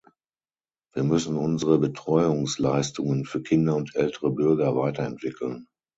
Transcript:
Wir müssen unsere Betreuungsleistungen für Kinder und ältere Bürger weiterentwickeln.